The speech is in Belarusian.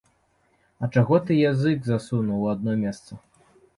А чаго ты язык засунуў у адно месца?